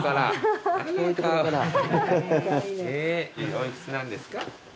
お幾つなんですか？